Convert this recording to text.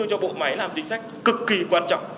cho bộ máy làm chính sách cực kỳ quan trọng